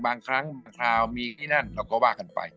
บางครั้งบางคราวมีที่นั่นเราก็ว่ากันไป